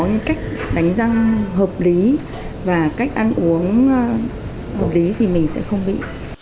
cái cách đánh răng hợp lý và cách ăn uống hợp lý thì mình sẽ không bị